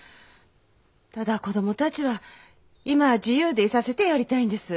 ただ子供たちは今は自由でいさせてやりたいんです。